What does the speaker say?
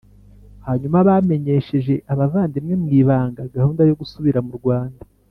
Hanyuma bamenyesheje abavandimwe mu ibanga gahunda yo gusubira mu rwanda